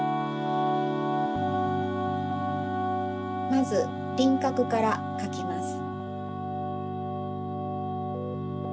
まずりんかくからかきます。